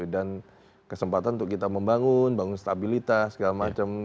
dan kesempatan untuk kita membangun membangun stabilitas segala macam